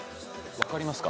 分かりますか？